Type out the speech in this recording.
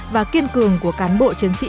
và kiên cường của cán bộ chiến sĩ